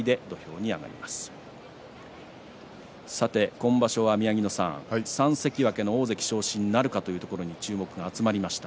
今場所は３関脇の大関昇進なるかというところに注目が集まりました。